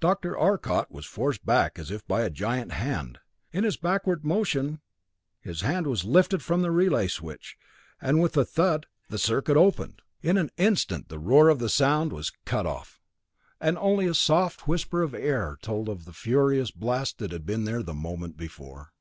Dr. Arcot was forced back as by a giant hand; in his backward motion his hand was lifted from the relay switch, and with a thud the circuit opened. In an instant the roar of sound was cut off, and only a soft whisper of air told of the furious blast that had been there a moment before.